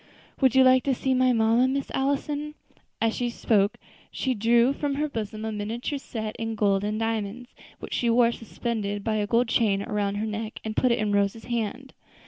Would you like to see my mamma, Miss Allison?" And as she spoke she drew from her bosom a miniature set in gold and diamonds, which she wore suspended by a gold chain around her neck, and put it in Rose's hand.